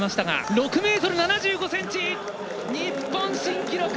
６ｍ７５ｃｍ日本新記録！